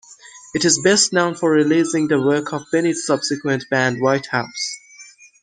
It is best known for releasing the work of Bennett's subsequent band, Whitehouse.